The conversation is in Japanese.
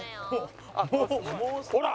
ほら！